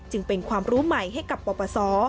จึงเป็นความรู้ใหม่ให้กับปปศ